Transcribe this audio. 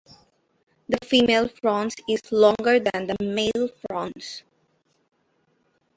The female frons is longer than the male frons.